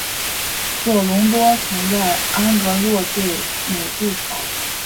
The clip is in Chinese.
索隆多曾在安戈洛坠姆筑巢。